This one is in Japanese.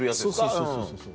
そうそうそうそう。